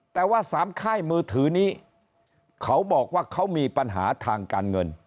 แต่ว่าสามค่ายมือถือนี้เขาบอกว่าเขามีปัญหาทางการเงิน